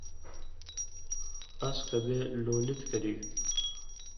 اس کہ بے لون٘لِتوۡ کرِگ،